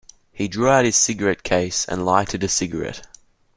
He drew out his cigarette-case and lighted a cigarette.